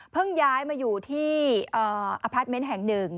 เพิ่งย้ายมาอยู่ที่อาพาทเมนต์แห่งหนึ่ง